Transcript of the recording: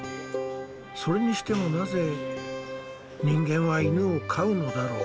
それにしてもなぜ人間は犬を飼うのだろう。